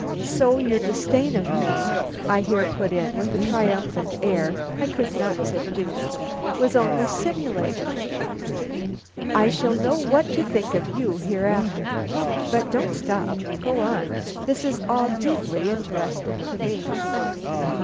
"So your disdain of me," I here put in with a triumphant air I could not subdue, "was only simulated? I shall know what to think of you hereafter. But don't stop, go on, this is all deeply interesting to me."